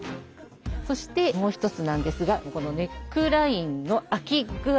そしてもう一つなんですがここのネックラインの開き具合です。